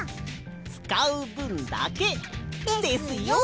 つかうぶんだけ。ですよ。